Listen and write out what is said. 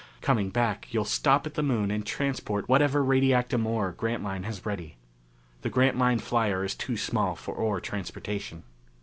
Coming back, you'll stop at the Moon and transport whatever radiactum ore Grantline has ready. The Grantline Flyer is too small for ore transportation."